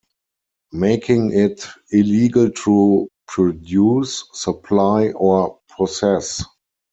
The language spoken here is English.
Making it illegal to produce, supply or possess.